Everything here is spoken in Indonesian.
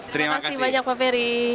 terima kasih banyak pak ferry